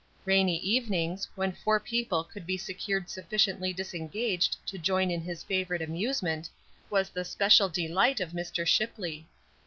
Rainy evenings, when four people could be secured sufficiently disengaged to join in his favorite amusement, was the special delight of Mr. Shipley.